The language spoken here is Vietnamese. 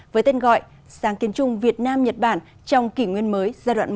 với tên gọi sáng kiến chung việt nam nhật bản trong kỷ nguyên mới giai đoạn một